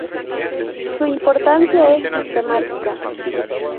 Su importancia es sistemática.